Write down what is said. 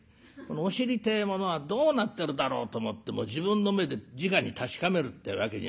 お尻ってえものはどうなってるだろうと思っても自分の目でじかに確かめるってわけにはいかない場所ですね。